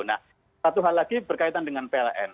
nah satu hal lagi berkaitan dengan pln